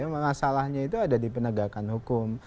masalahnya itu ada di penegakan hukum